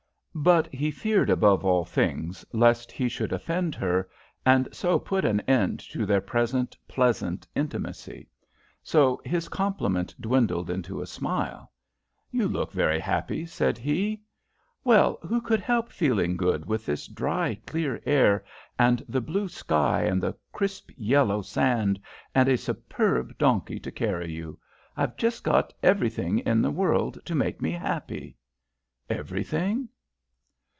But he feared above all things lest he should offend her, and so put an end to their present pleasant intimacy. So his compliment dwindled into a smile. "You look very happy," said he. "Well, who could help feeling good with this dry, clear air, and the blue sky and the crisp, yellow sand, and a superb donkey to carry you. I've just got everything in the world to make me happy." "Everything?"